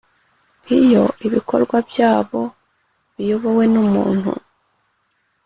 iyo ibikorwa byabo biyobowe n' umuntu